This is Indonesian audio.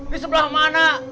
di sebelah mana